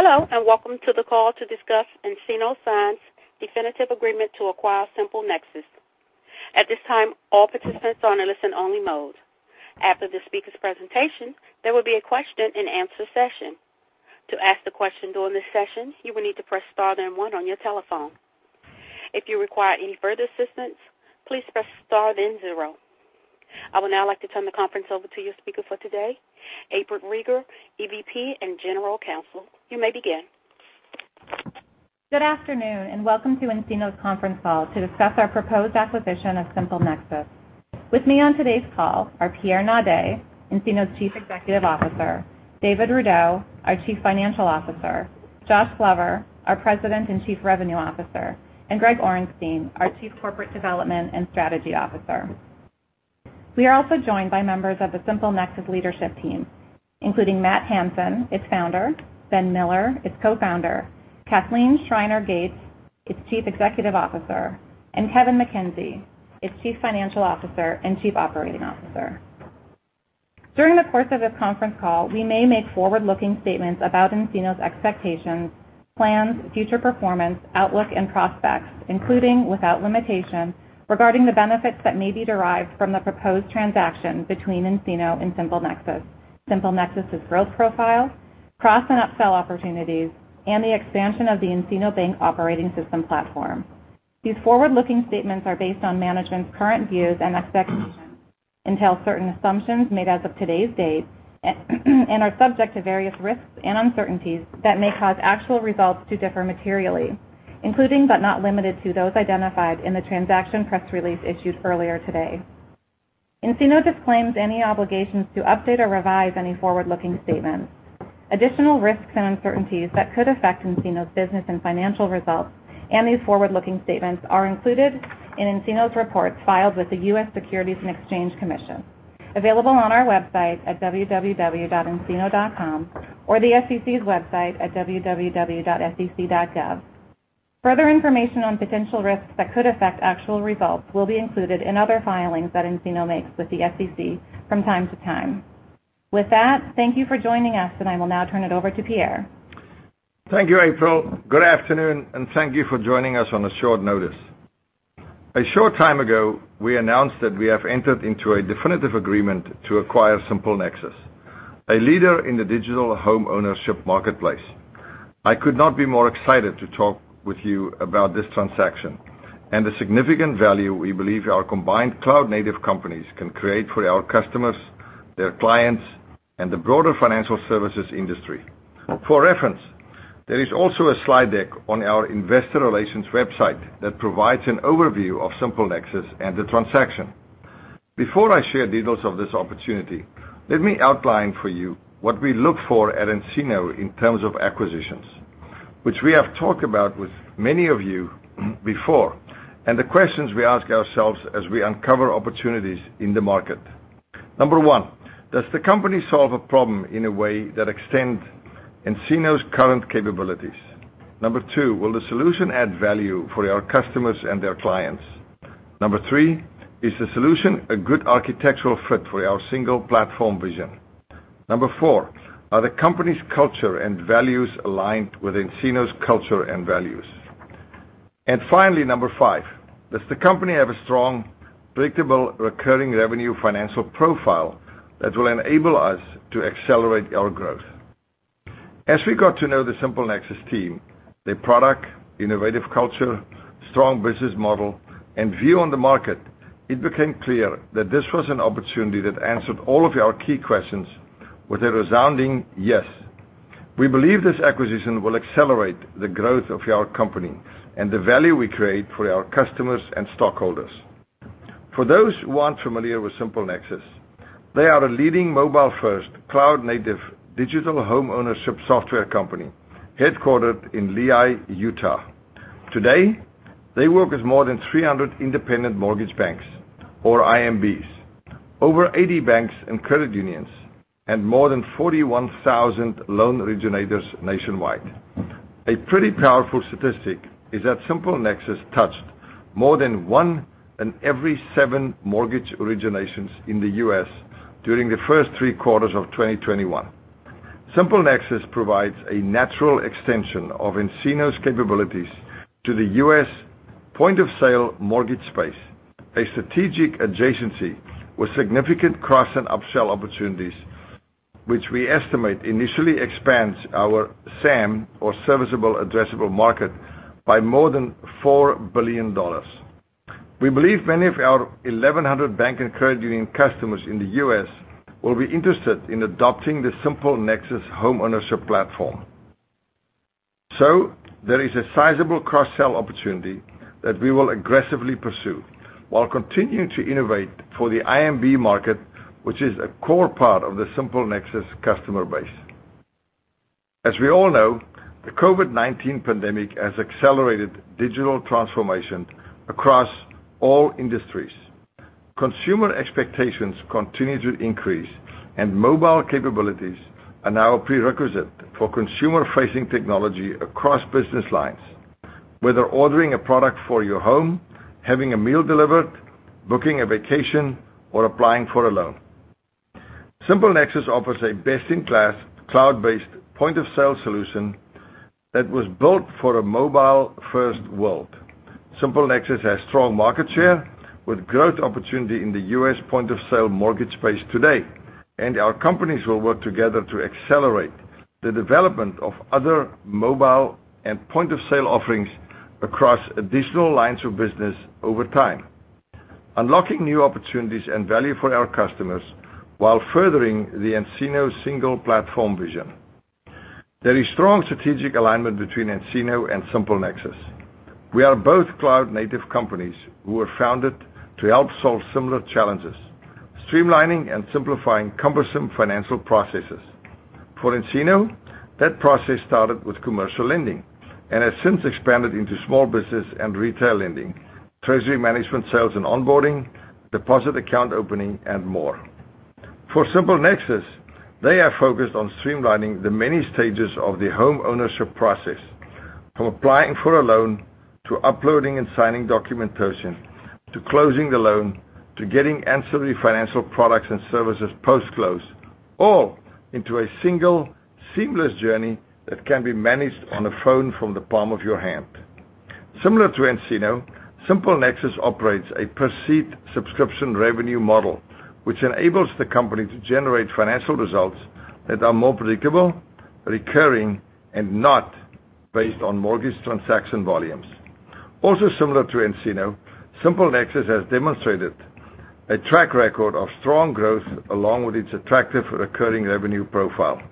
Hello, and welcome to the call to discuss nCino signs definitive agreement to acquire SimpleNexus. At this time, all participants are in a listen-only mode. After the speaker's presentation, there will be a question-and-answer session. I would now like to turn the conference over to your speaker for today, April Rieger, EVP and General Counsel. You may begin. Good afternoon, and welcome to nCino's conference call to discuss our proposed acquisition of SimpleNexus. With me on today's call are Pierre Naudé, nCino's Chief Executive Officer, David Rudow, our Chief Financial Officer, Josh Glover, our President and Chief Revenue Officer, and Greg Orenstein, our Chief Corporate Development and Strategy Officer. We are also joined by members of the SimpleNexus leadership team, including Matt Hansen, its founder, Ben Miller, its co-founder, Cathleen Schreiner Gates, its Chief Executive Officer, and Kevin McKenzie, its Chief Financial Officer and Chief Operating Officer. During the course of this conference call, we may make forward-looking statements about nCino's expectations, plans, future performance, outlook, and prospects, including without limitation regarding the benefits that may be derived from the proposed transaction between nCino and SimpleNexus. SimpleNexus' growth profile, cross- and upsell opportunities, and the expansion of the nCino Bank Operating System platform. These forward-looking statements are based on management's current views and expectations, entail certain assumptions made as of today's date, and are subject to various risks and uncertainties that may cause actual results to differ materially, including but not limited to those identified in the transaction press release issued earlier today. NCino disclaims any obligations to update or revise any forward-looking statements. Additional risks and uncertainties that could affect nCino's business and financial results and these forward-looking statements are included in nCino's reports filed with the U.S. Securities and Exchange Commission, available on our website at www.ncino.com or the SEC's website at www.sec.gov. Further information on potential risks that could affect actual results will be included in other filings that nCino makes with the SEC from time to time. With that, thank you for joining us, and I will now turn it over to Pierre. Thank you, April. Good afternoon, and thank you for joining us on short notice. A short time ago, we announced that we have entered into a definitive agreement to acquire SimpleNexus, a leader in the digital homeownership marketplace. I could not be more excited to talk with you about this transaction and the significant value we believe our combined cloud-native companies can create for our customers, their clients, and the broader financial services industry. For reference, there is also a slide deck on our investor relations website that provides an overview of SimpleNexus and the transaction. Before I share details of this opportunity, let me outline for you what we look for at nCino in terms of acquisitions, which we have talked about with many of you before, and the questions we ask ourselves as we uncover opportunities in the market. Number one, does the company solve a problem in a way that extends nCino's current capabilities? Number two, will the solution add value for our customers and their clients? Number three, is the solution a good architectural fit for our single platform vision? Number four, are the company's culture and values aligned with nCino's culture and values? And finally, number five, does the company have a strong, predictable, recurring revenue financial profile that will enable us to accelerate our growth? As we got to know the SimpleNexus team, their product, innovative culture, strong business model, and view on the market, it became clear that this was an opportunity that answered all of our key questions with a resounding yes. We believe this acquisition will accelerate the growth of our company and the value we create for our customers and stockholders. For those who aren't familiar with SimpleNexus, they are a leading mobile-first, cloud-native digital homeownership software company headquartered in Lehi, Utah. Today, they work with more than 300 independent mortgage banks or IMBs, over 80 banks and credit unions, and more than 41,000 loan originators nationwide. A pretty powerful statistic is that SimpleNexus touched more than one in every seven mortgage originations in the U.S. during the first three quarters of 2021. SimpleNexus provides a natural extension of nCino's capabilities to the U.S. point-of-sale mortgage space, a strategic adjacency with significant cross and upsell opportunities, which we estimate initially expands our SAM or serviceable addressable market by more than $4 billion. We believe many of our 1,100 bank and credit union customers in the U.S. will be interested in adopting the SimpleNexus homeownership platform. There is a sizable cross-sell opportunity that we will aggressively pursue while continuing to innovate for the IMB market, which is a core part of the SimpleNexus customer base. As we all know, the COVID-19 pandemic has accelerated digital transformation across all industries. Consumer expectations continue to increase, and mobile capabilities are now a prerequisite for consumer-facing technology across business lines, whether ordering a product for your home, having a meal delivered, booking a vacation, or applying for a loan. SimpleNexus offers a best-in-class cloud-based point-of-sale solution that was built for a mobile first world. SimpleNexus has strong market share with growth opportunity in the U.S. point-of-sale mortgage space today. Our companies will work together to accelerate the development of other mobile and point-of-sale offerings across additional lines of business over time, unlocking new opportunities and value for our customers while furthering the nCino single platform vision. There is strong strategic alignment between nCino and SimpleNexus. We are both cloud-native companies who were founded to help solve similar challenges, streamlining and simplifying cumbersome financial processes. For nCino, that process started with commercial lending and has since expanded into small business and retail lending, treasury management sales and onboarding, deposit account opening, and more. For SimpleNexus, they are focused on streamlining the many stages of the homeownership process, from applying for a loan, to uploading and signing documentation, to closing the loan, to getting ancillary financial products and services post-close, all into a single seamless journey that can be managed on a phone from the palm of your hand. Similar to nCino, SimpleNexus operates a per-seat subscription revenue model, which enables the company to generate financial results that are more predictable, recurring, and not based on mortgage transaction volumes. Also similar to nCino, SimpleNexus has demonstrated a track record of strong growth along with its attractive recurring revenue profile.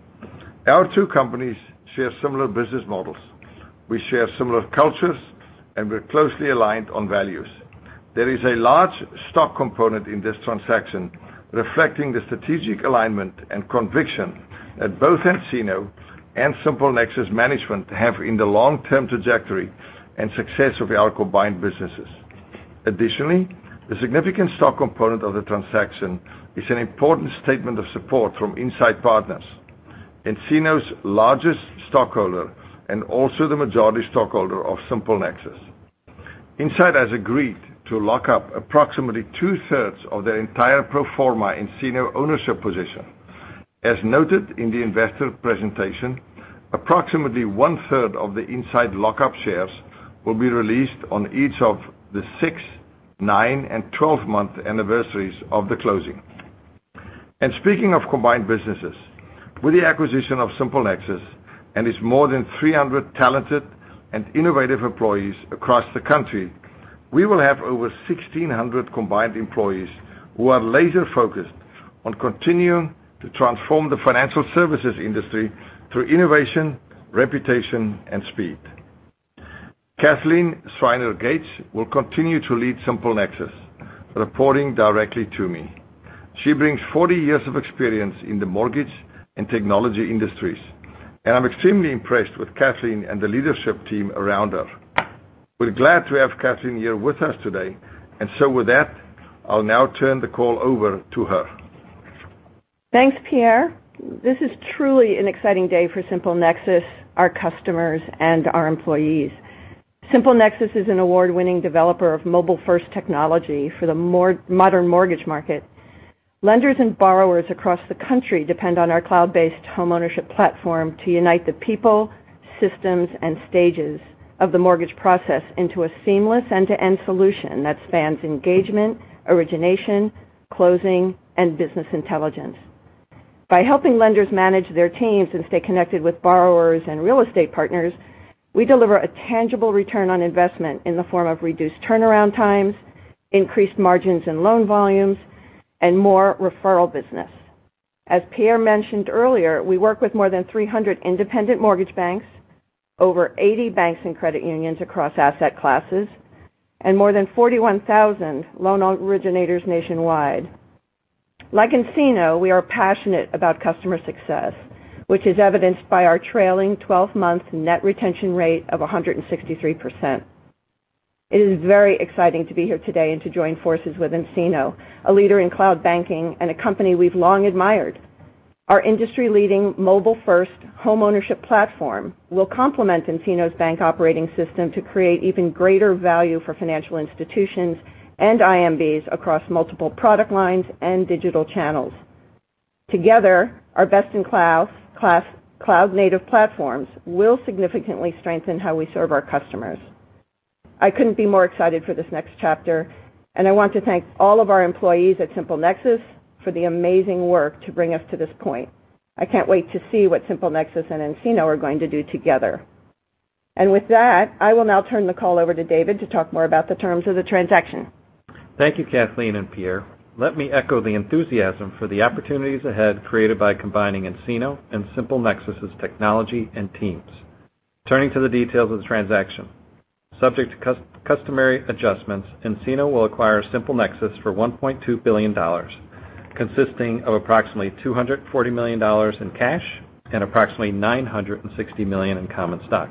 Our two companies share similar business models. We share similar cultures, and we're closely aligned on values. There is a large stock component in this transaction, reflecting the strategic alignment and conviction that both nCino and SimpleNexus management have in the long-term trajectory and success of our combined businesses. Additionally, the significant stock component of the transaction is an important statement of support from Insight Partners, nCino's largest stockholder and also the majority stockholder of SimpleNexus. Insight has agreed to lock up approximately two-thirds of their entire pro forma nCino ownership position. As noted in the investor presentation, approximately 1/3 of the Insight lockup shares will be released on each of the six, nine, and 12-month anniversaries of the closing. Speaking of combined businesses, with the acquisition of SimpleNexus and its more than 300 talented and innovative employees across the country, we will have over 1,600 combined employees who are laser-focused on continuing to transform the financial services industry through innovation, reputation, and speed. Cathleen Schreiner Gates will continue to lead SimpleNexus, reporting directly to me. She brings 40 years of experience in the mortgage and technology industries, and I'm extremely impressed with Cathleen and the leadership team around her. We're glad to have Cathleen here with us today. With that, I'll now turn the call over to her. Thanks, Pierre. This is truly an exciting day for SimpleNexus, our customers, and our employees. SimpleNexus is an award-winning developer of mobile-first technology for the modern mortgage market. Lenders and borrowers across the country depend on our cloud-based homeownership platform to unite the people, systems, and stages of the mortgage process into a seamless end-to-end solution that spans engagement, origination, closing, and business intelligence. By helping lenders manage their teams and stay connected with borrowers and real estate partners, we deliver a tangible return on investment in the form of reduced turnaround times, increased margins and loan volumes, and more referral business. As Pierre mentioned earlier, we work with more than 300 independent mortgage banks, over 80 banks and credit unions across asset classes, and more than 41,000 loan originators nationwide. Like nCino, we are passionate about customer success, which is evidenced by our trailing 12-month net retention rate of 163%. It is very exciting to be here today and to join forces with nCino, a leader in cloud banking and a company we've long admired. Our industry-leading mobile-first homeownership platform will complement nCino's bank operating system to create even greater value for financial institutions and IMBs across multiple product lines and digital channels. Together, our best-in-class cloud-native platforms will significantly strengthen how we serve our customers. I couldn't be more excited for this next chapter, and I want to thank all of our employees at SimpleNexus for the amazing work to bring us to this point. I can't wait to see what SimpleNexus and nCino are going to do together. With that, I will now turn the call over to David to talk more about the terms of the transaction. Thank you, Cathleen and Pierre. Let me echo the enthusiasm for the opportunities ahead created by combining nCino and SimpleNexus's technology and teams. Turning to the details of the transaction. Subject to customary adjustments, nCino will acquire SimpleNexus for $1.2 billion, consisting of approximately $240 million in cash and approximately $960 million in common stock.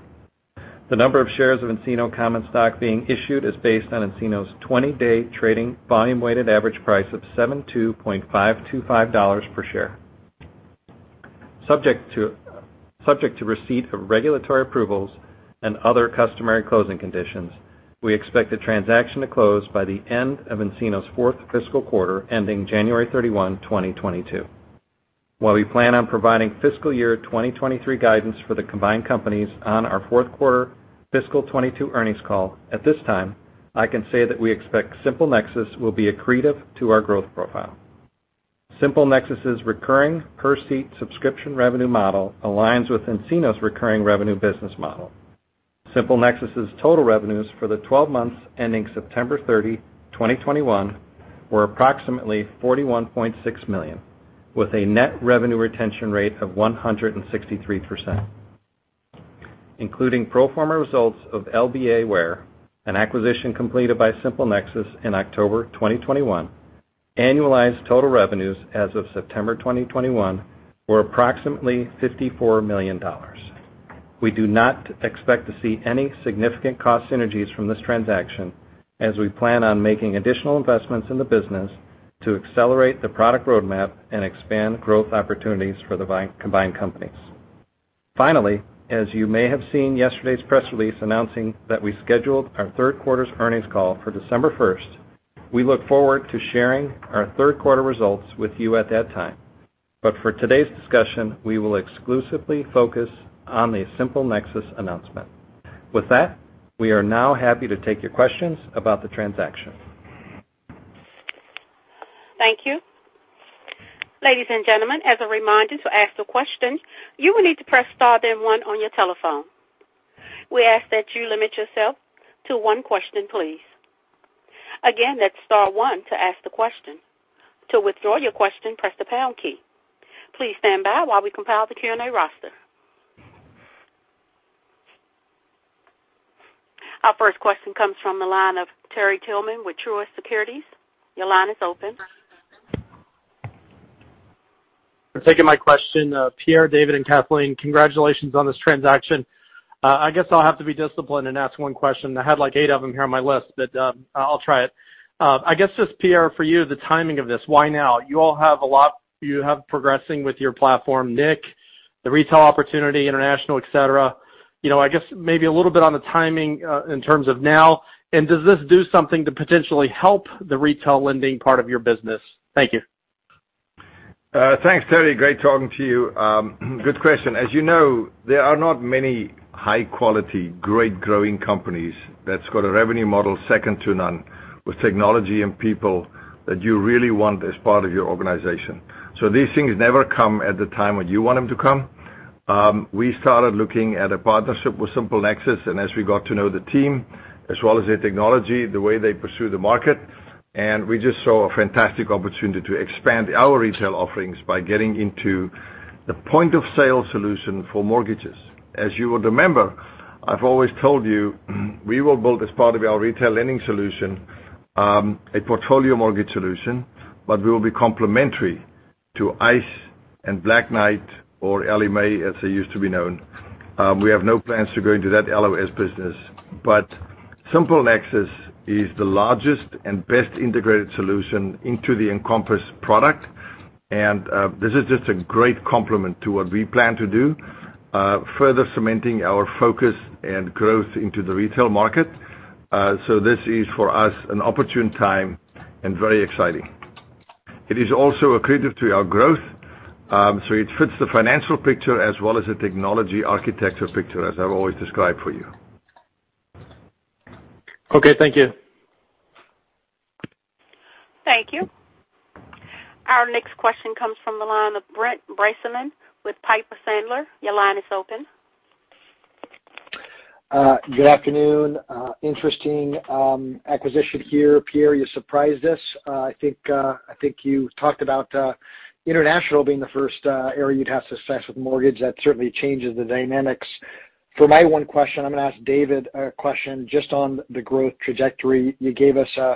The number of shares of nCino common stock being issued is based on nCino's 20-day trading volume-weighted average price of $72.525 per share. Subject to receipt of regulatory approvals and other customary closing conditions, we expect the transaction to close by the end of nCino's fourth fiscal quarter, ending January 31, 2022. While we plan on providing fiscal year 2023 guidance for the combined companies on our fourth quarter fiscal 2022 earnings call, at this time, I can say that we expect SimpleNexus will be accretive to our growth profile. SimpleNexus' recurring per seat subscription revenue model aligns with nCino's recurring revenue business model. SimpleNexus' total revenues for the 12 months ending September 30, 2021, were approximately $41.6 million, with a net revenue retention rate of 163%. Including pro forma results of LBA Ware, an acquisition completed by SimpleNexus in October 2021, annualized total revenues as of September 2021 were approximately $54 million. We do not expect to see any significant cost synergies from this transaction as we plan on making additional investments in the business to accelerate the product roadmap and expand growth opportunities for the combined companies. Finally, as you may have seen yesterday's press release announcing that we scheduled our third quarter's earnings call for December 1st, we look forward to sharing our third quarter results with you at that time. For today's discussion, we will exclusively focus on the SimpleNexus announcement. With that, we are now happy to take your questions about the transaction. Thank you. Ladies and gentlemen, as a reminder to ask a question, you will need to press star then one on your telephone. We ask that you limit yourself to one question, please. Again, that's star one to ask the question. To withdraw your question, press the pound key. Please stand by while we compile the Q&A roster. Our first question comes from the line of Terry Tillman with Truist Securities. Your line is open. Thank you for taking my question. Pierre, David, and Cathleen, congratulations on this transaction. I guess I'll have to be disciplined and ask one question. I had, like, eight of them here on my list, but, I'll try it. I guess just Pierre, for you, the timing of this, why now? You all have a lot progressing with your platform, NIQ, the retail opportunity, international, et cetera. You know, I guess maybe a little bit on the timing, in terms of now, and does this do something to potentially help the retail lending part of your business? Thank you. Thanks, Terry. Great talking to you. Good question. As you know, there are not many high quality, great growing companies that's got a revenue model second to none with technology and people that you really want as part of your organization. These things never come at the time when you want them to come. We started looking at a partnership with SimpleNexus, and as we got to know the team as well as their technology, the way they pursue the market, and we just saw a fantastic opportunity to expand our retail offerings by getting into the point-of-sale solution for mortgages. As you would remember, I've always told you, we will build as part of our retail lending solution, a portfolio mortgage solution, but we will be complementary to ICE and Black Knight or Ellie Mae, as they used to be known. We have no plans to go into that LOS business. SimpleNexus is the largest and best integrated solution into the Encompass product. This is just a great complement to what we plan to do, further cementing our focus and growth into the retail market. This is, for us, an opportune time and very exciting. It is also accretive to our growth, so it fits the financial picture as well as the technology architecture picture, as I've always described for you. Okay, thank you. Thank you. Our next question comes from the line of Brent Bracelin with Piper Sandler. Your line is open. Good afternoon. Interesting acquisition here. Pierre, you surprised us. I think you talked about international being the first area you'd have success with mortgage. That certainly changes the dynamics. For my one question, I'm gonna ask David a question just on the growth trajectory. You gave us a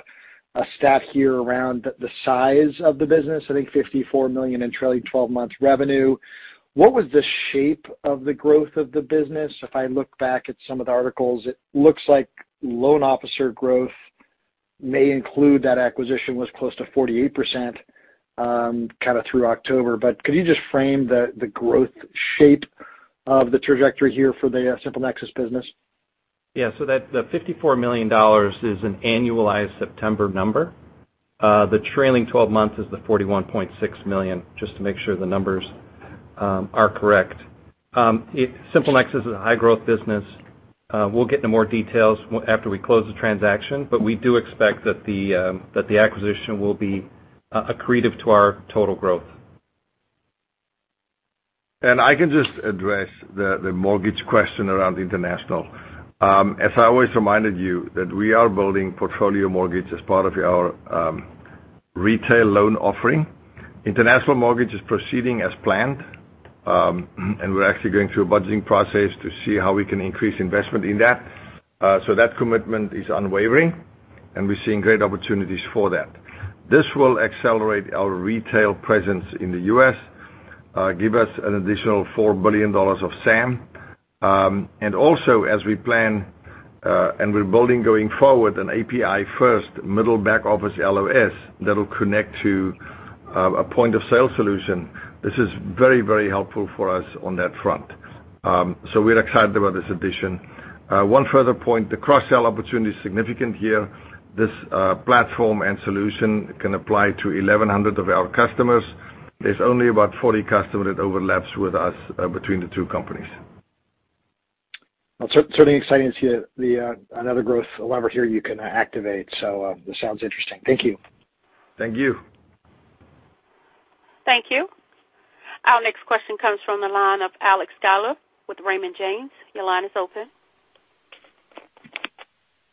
stat here around the size of the business. I think $54 million in trailing 12 months revenue. What was the shape of the growth of the business? If I look back at some of the articles, it looks like loan officer growth may include that acquisition was close to 48%, kinda through October. But could you just frame the growth shape of the trajectory here for the SimpleNexus business? Yeah. So that, the $54 million is an annualized September number. The trailing 12 months is the $41.6 million, just to make sure the numbers are correct. SimpleNexus is a high-growth business. We'll get into more details after we close the transaction, but we do expect that the acquisition will be accretive to our total growth. I can just address the mortgage question around international. As I always reminded you that we are building portfolio mortgage as part of our retail loan offering. International mortgage is proceeding as planned, and we're actually going through a budgeting process to see how we can increase investment in that. So that commitment is unwavering, and we're seeing great opportunities for that. This will accelerate our retail presence in the U.S., give us an additional $4 billion of SAM, and also as we plan, and we're building going forward an API first middle back office LOS that'll connect to a point-of-sale solution. This is very, very helpful for us on that front. So we're excited about this addition. One further point, the cross-sell opportunity is significant here. This platform and solution can apply to 1,100 of our customers. There's only about 40 customers that overlaps with us between the two companies. Well, certainly exciting to see the another growth lever here you can activate. This sounds interesting. Thank you. Thank you. Thank you. Our next question comes from the line of Alex Sklar with Raymond James. Your line is open.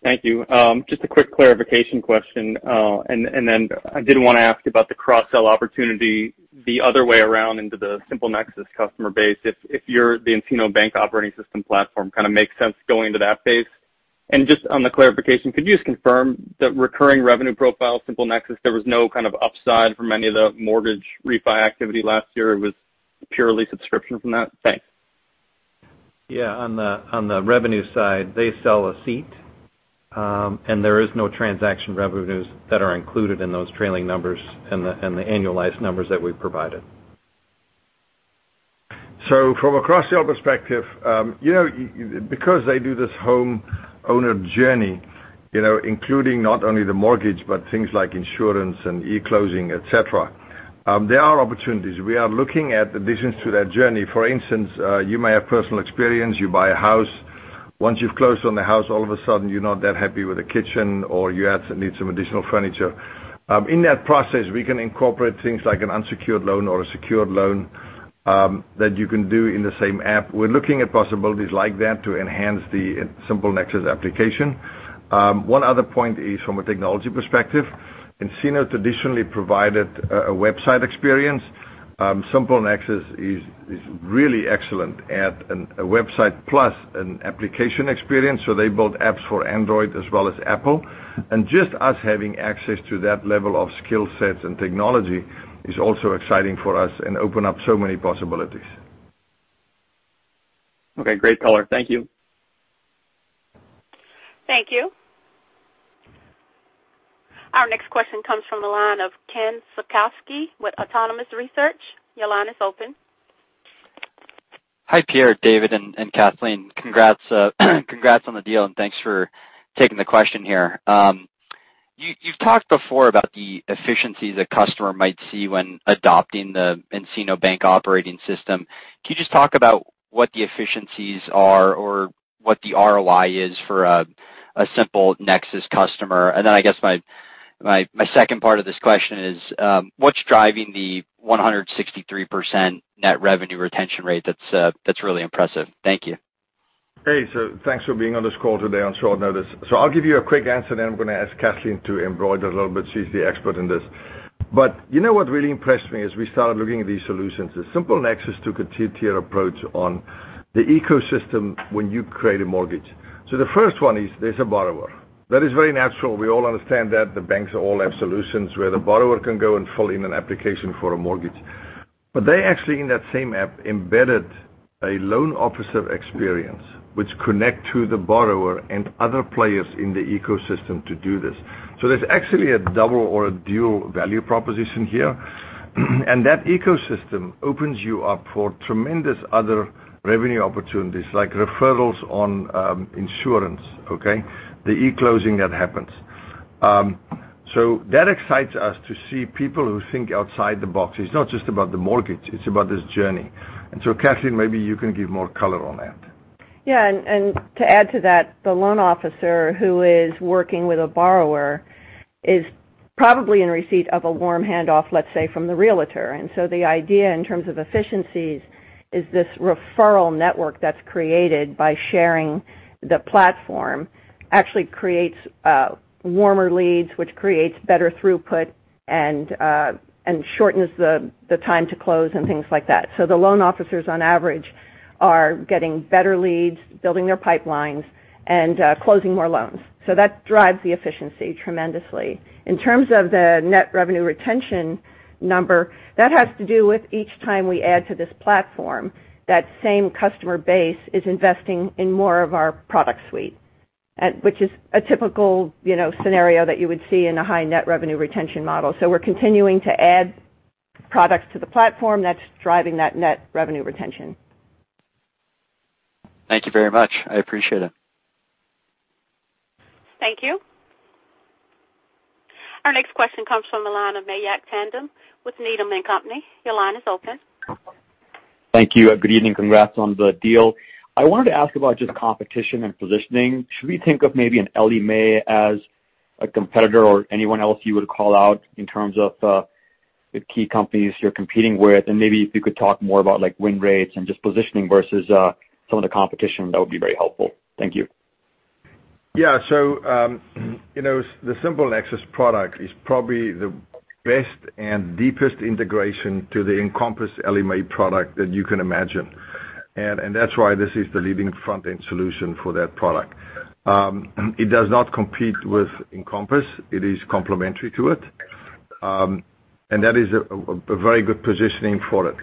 Thank you. Just a quick clarification question. I did wanna ask about the cross-sell opportunity the other way around into the SimpleNexus customer base if the nCino Bank Operating System platform kind of makes sense going to that base. Just on the clarification, could you just confirm the recurring revenue profile, SimpleNexus, there was no kind of upside from any of the mortgage refi activity last year, it was purely subscription from that? Thanks. Yeah. On the revenue side, they sell a seat, and there is no transaction revenues that are included in those trailing numbers and the annualized numbers that we provided. From a cross-sell perspective, because they do this homeowner journey, you know, including not only the mortgage, but things like insurance and e-closing, et cetera, there are opportunities. We are looking at additions to that journey. For instance, you may have personal experience, you buy a house. Once you've closed on the house, all of a sudden you're not that happy with the kitchen or you need some additional furniture. In that process, we can incorporate things like an unsecured loan or a secured loan, that you can do in the same app. We're looking at possibilities like that to enhance the SimpleNexus application. One other point is from a technology perspective, nCino traditionally provided a website experience. SimpleNexus is really excellent at a website plus an application experience, so they build apps for Android as well as Apple. Just us having access to that level of skill sets and technology is also exciting for us and open up so many possibilities. Okay, great color. Thank you. Thank you. Our next question comes from the line of Ken Suchoski with Autonomous Research. Your line is open. Hi, Pierre, David, and Cathleen. Congrats on the deal, and thanks for taking the question here. You've talked before about the efficiencies a customer might see when adopting the nCino Bank Operating System. Can you just talk about what the efficiencies are or what the ROI is for a SimpleNexus customer? I guess my second part of this question is, what's driving the 163% net revenue retention rate that's really impressive? Thank you. Hey, thanks for being on this call today on short notice. I'll give you a quick answer, then I'm gonna ask Cathleen to embroider a little bit. She's the expert in this. You know what really impressed me as we started looking at these solutions, is SimpleNexus took a two-tier approach on the ecosystem when you create a mortgage. The first one is there's a borrower. That is very natural. We all understand that. The banks all have solutions where the borrower can go and fill in an application for a mortgage. They actually, in that same app, embedded a loan officer experience which connect to the borrower and other players in the ecosystem to do this. There's actually a double or a dual value proposition here. That ecosystem opens you up for tremendous other revenue opportunities like referrals on insurance, okay? The e-closing that happens. That excites us to see people who think outside the box. It's not just about the mortgage, it's about this journey. Cathleen, maybe you can give more color on that. Yeah. To add to that, the loan officer who is working with a borrower is probably in receipt of a warm handoff, let's say, from the realtor. The idea in terms of efficiencies is this referral network that's created by sharing the platform actually creates warmer leads, which creates better throughput and shortens the time to close and things like that. The loan officers on average are getting better leads, building their pipelines, and closing more loans. That drives the efficiency tremendously. In terms of the net revenue retention number, that has to do with each time we add to this platform, that same customer base is investing in more of our product suite, which is a typical, you know, scenario that you would see in a high net revenue retention model. We're continuing to add products to the platform that's driving that net revenue retention. Thank you very much. I appreciate it. Thank you. Our next question comes from the line of Mayank Tandon with Needham & Company. Your line is open. Thank you. Good evening. Congrats on the deal. I wanted to ask about just competition and positioning. Should we think of maybe an Ellie Mae as a competitor or anyone else you would call out in terms of, the key companies you're competing with? Maybe if you could talk more about like win rates and just positioning versus, some of the competition, that would be very helpful. Thank you. Yeah, you know, the SimpleNexus product is probably the best and deepest integration to the Encompass Ellie Mae product that you can imagine. That's why this is the leading front-end solution for that product. It does not compete with Encompass. It is complementary to it. That is a very good positioning for it.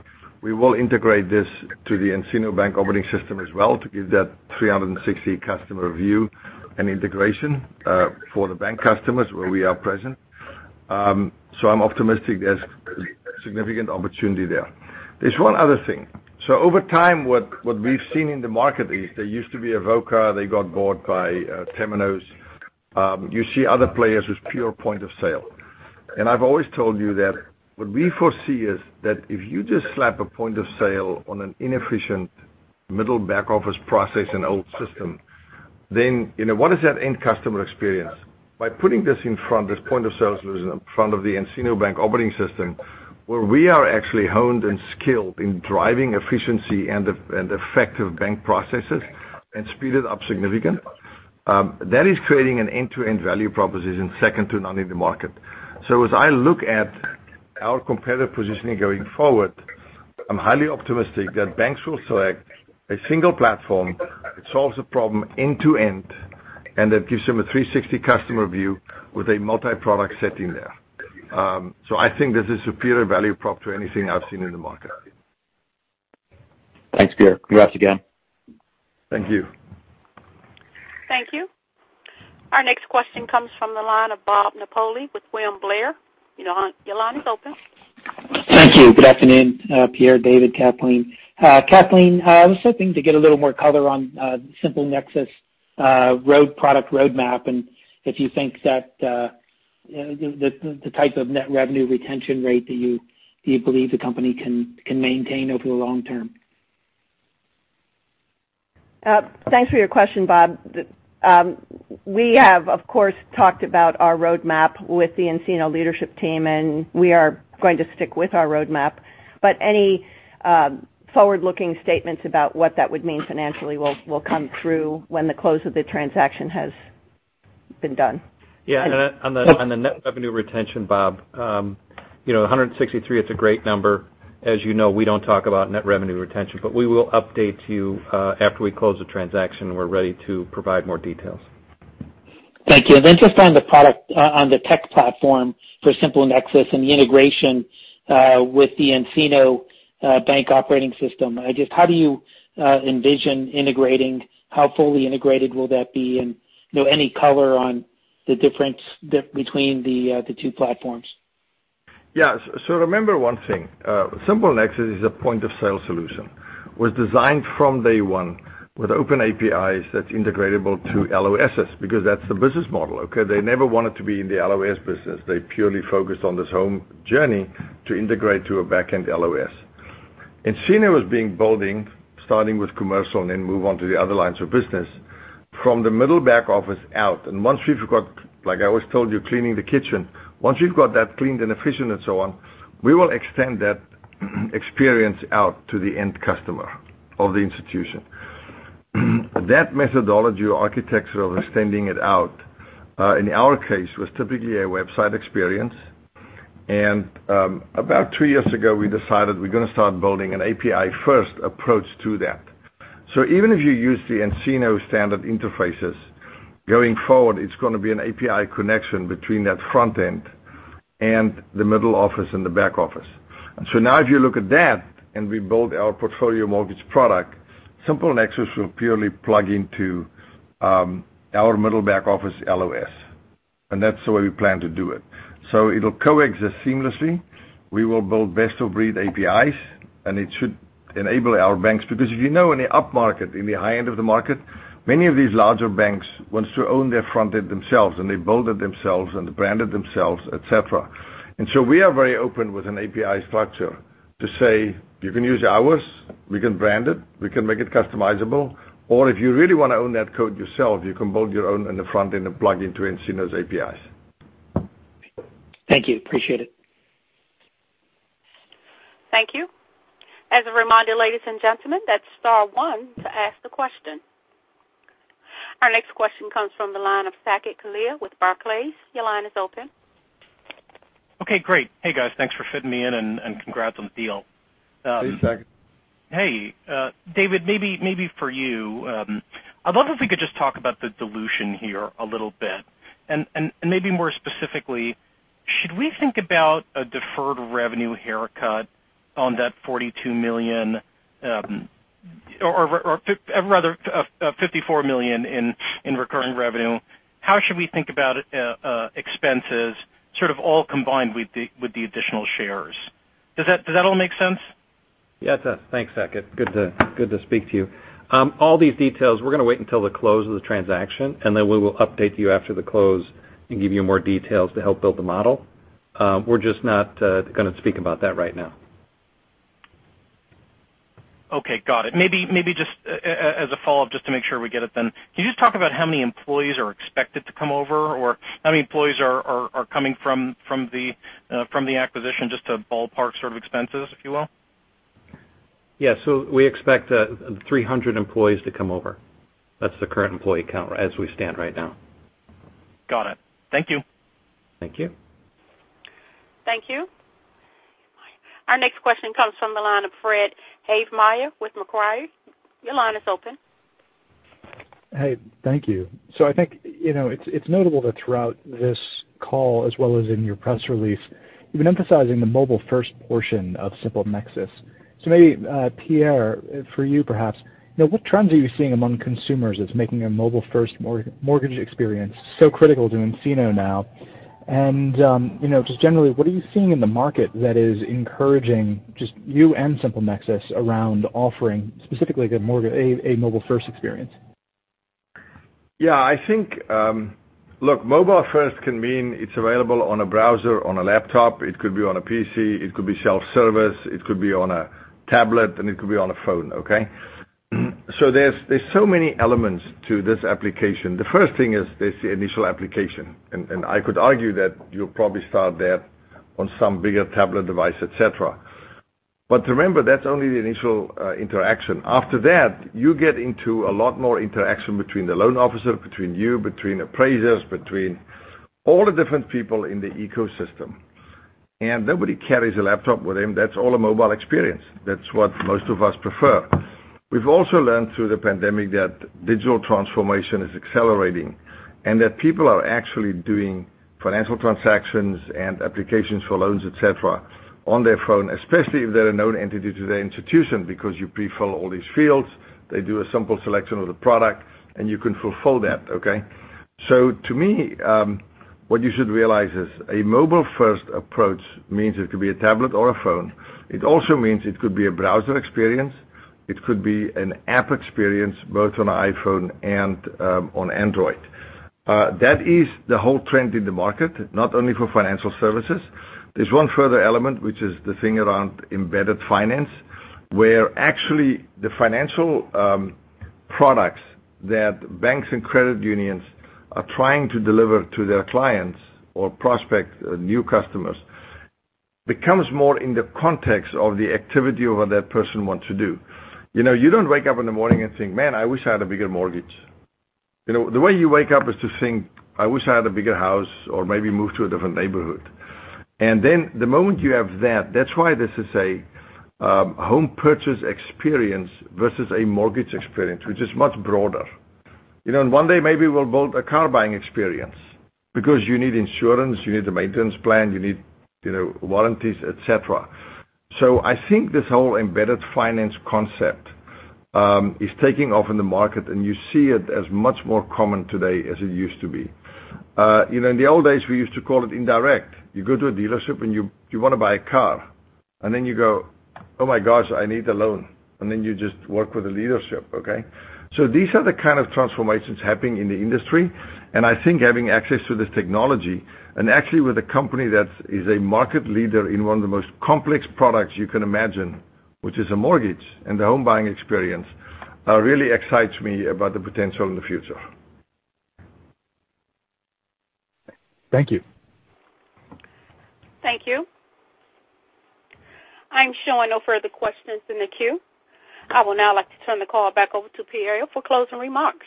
We will integrate this to the nCino Bank Operating System as well to give that 360 customer view and integration for the bank customers where we are present. I'm optimistic there's significant opportunity there. There's one other thing. Over time, what we've seen in the market is there used to be Avoka. They got bought by Temenos. You see other players with pure point-of-sale. I've always told you that what we foresee is that if you just slap a point-of-sale on an inefficient middle- and back-office process and old system, then, you know, what is that end customer experience? By putting this in front, this point-of-sale solution in front of the nCino Bank Operating System, where we are actually honed and skilled in driving efficiency and effective bank processes and speed it up significantly, that is creating an end-to-end value proposition second to none in the market. As I look at our competitive positioning going forward, I'm highly optimistic that banks will select a single platform that solves the problem end to end, and that gives them a 360 customer view with a multi-product setting there. I think this is superior value prop to anything I've seen in the market. Thanks, Pierre. Congrats again. Thank you. Thank you. Our next question comes from the line of Bob Napoli with William Blair. You know, your line is open. Thank you. Good afternoon, Pierre, David, Cathleen. Cathleen, I was hoping to get a little more color on SimpleNexus product roadmap, and if you think that the type of net revenue retention rate that you believe the company can maintain over the long term. Thanks for your question, Bob. We have, of course, talked about our roadmap with the nCino leadership team, and we are going to stick with our roadmap. Any forward-looking statements about what that would mean financially will come through when the close of the transaction has been done. Yeah. On the net revenue retention, Bob, you know, 163%, it's a great number. As you know, we don't talk about net revenue retention, but we will update you after we close the transaction, and we're ready to provide more details. Thank you. Just on the tech platform for SimpleNexus and the integration with the nCino Bank Operating System, how do you envision integrating? How fully integrated will that be? And, you know, any color on the difference between the two platforms? Yeah. Remember one thing, SimpleNexus is a point-of-sale solution, was designed from day one with open APIs that's integratable to LOSs because that's the business model, okay? They never wanted to be in the LOS business. They purely focused on this home journey to integrate to a back-end LOS. nCino was being building, starting with commercial and then move on to the other lines of business from the middle back office out. Once we've got, like I always told you, cleaning the kitchen, once you've got that cleaned and efficient and so on, we will extend that experience out to the end customer of the institution. That methodology or architecture of extending it out, in our case, was typically a website experience. About two years ago, we decided we're gonna start building an API-first approach to that. Even if you use the nCino standard interfaces, going forward, it's gonna be an API connection between that front end and the middle office and the back office. Now if you look at that and we build our portfolio mortgage product, SimpleNexus will purely plug into our middle back office LOS. That's the way we plan to do it. It'll coexist seamlessly. We will build best-of-breed APIs, and it should enable our banks. Because if you know any upmarket, in the high end of the market, many of these larger banks wants to own their front end themselves, and they build it themselves and brand it themselves, et cetera. We are very open with an API structure to say, "You can use ours, we can brand it, we can make it customizable, or if you really wanna own that code yourself, you can build your own in the front end and plug into nCino's APIs. Thank you. Appreciate it. Thank you. As a reminder, ladies and gentlemen, that's star one to ask the question. Our next question comes from the line of Saket Kalia with Barclays. Your line is open. Okay, great. Hey, guys, thanks for fitting me in, and congrats on the deal. Hey, Saket. Hey. David, maybe for you. I'd love if we could just talk about the dilution here a little bit, and maybe more specifically, should we think about a deferred revenue haircut on that $42 million, or rather $54 million in recurring revenue? How should we think about expenses sort of all combined with the additional shares? Does that all make sense? Yeah. Thanks, Saket. Good to speak to you. All these details, we're gonna wait until the close of the transaction, and then we will update you after the close and give you more details to help build the model. We're just not gonna speak about that right now. Okay, got it. Maybe just as a follow-up just to make sure we get it then. Can you just talk about how many employees are expected to come over or how many employees are coming from the acquisition just to ballpark sort of expenses, if you will? We expect 300 employees to come over. That's the current employee count as we stand right now. Got it. Thank you. Thank you. Thank you. Our next question comes from the line of Fred Havemeyer with Macquarie. Your line is open. Hey, thank you. I think, you know, it's notable that throughout this call, as well as in your press release, you've been emphasizing the mobile first portion of SimpleNexus. Maybe, Pierre, for you perhaps, you know, what trends are you seeing among consumers that's making a mobile first mortgage experience so critical to nCino now? You know, just generally, what are you seeing in the market that is encouraging just you and SimpleNexus around offering specifically a mobile first experience? Yeah, I think, look, mobile first can mean it's available on a browser, on a laptop, it could be on a PC, it could be self-service, it could be on a tablet, and it could be on a phone, okay? There's so many elements to this application. The first thing is this initial application. I could argue that you'll probably start that on some bigger tablet device, et cetera. Remember, that's only the initial interaction. After that, you get into a lot more interaction between the loan officer, between you, between appraisers, between all the different people in the ecosystem. Nobody carries a laptop with them. That's all a mobile experience. That's what most of us prefer. We've also learned through the pandemic that digital transformation is accelerating, and that people are actually doing financial transactions and applications for loans, et cetera, on their phone, especially if they're a known entity to the institution, because you pre-fill all these fields, they do a simple selection of the product, and you can fulfill that, okay? To me, what you should realize is a mobile first approach means it could be a tablet or a phone. It also means it could be a browser experience, it could be an app experience, both on iPhone and on Android. That is the whole trend in the market, not only for financial services. There's one further element, which is the thing around embedded finance, where actually the financial products that banks and credit unions are trying to deliver to their clients or prospect new customers becomes more in the context of the activity of what that person wants to do. You know, you don't wake up in the morning and think, "Man, I wish I had a bigger mortgage." You know, the way you wake up is to think, "I wish I had a bigger house or maybe move to a different neighborhood." The moment you have that's why this is a home purchase experience versus a mortgage experience, which is much broader. You know, one day maybe we'll build a car buying experience because you need insurance, you need a maintenance plan, you need, you know, warranties, et cetera. I think this whole embedded finance concept is taking off in the market, and you see it as much more common today as it used to be. You know, in the old days, we used to call it indirect. You go to a dealership and you wanna buy a car, and then you go, "Oh my gosh, I need a loan." Then you just work with the leadership, okay? These are the kind of transformations happening in the industry. I think having access to this technology, and actually with a company that is a market leader in one of the most complex products you can imagine, which is a mortgage and the home buying experience, really excites me about the potential in the future. Thank you. Thank you. I'm showing no further questions in the queue. I would now like to turn the call back over to Pierre for closing remarks.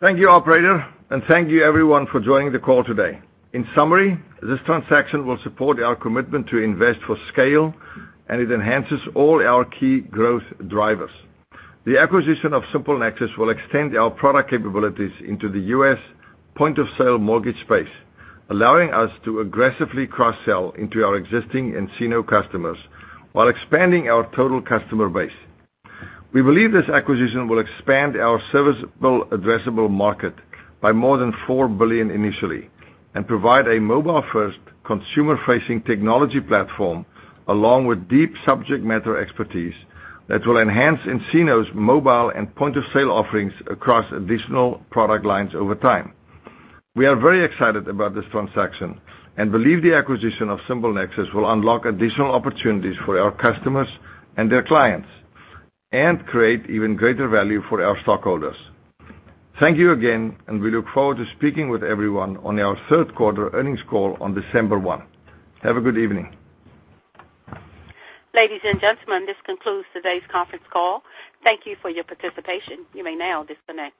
Thank you, operator, and thank you everyone for joining the call today. In summary, this transaction will support our commitment to invest for scale, and it enhances all our key growth drivers. The acquisition of SimpleNexus will extend our product capabilities into the U.S. point-of-sale mortgage space, allowing us to aggressively cross-sell into our existing nCino customers while expanding our total customer base. We believe this acquisition will expand our serviceable addressable market by more than $4 billion initially, and provide a mobile-first consumer-facing technology platform along with deep subject matter expertise that will enhance nCino's mobile and point-of-sale offerings across additional product lines over time. We are very excited about this transaction and believe the acquisition of SimpleNexus will unlock additional opportunities for our customers and their clients, and create even greater value for our stockholders. Thank you again, and we look forward to speaking with everyone on our third quarter earnings call on December 1. Have a good evening. Ladies and gentlemen, this concludes today's conference call. Thank you for your participation. You may now disconnect.